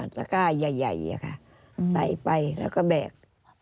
ตะก้าใหญ่ค่ะใส่ไปแล้วก็แบก